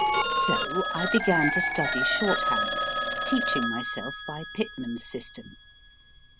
So I began to study shorthand, teaching myself by Pitman's system.